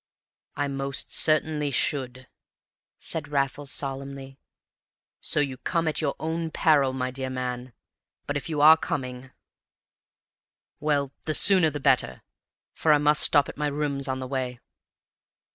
"I most certainly should," said Raffles, solemnly. "So you come at your own peril, my dear man; but, if you are coming well, the sooner the better, for I must stop at my rooms on the way."